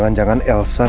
terima kasih pak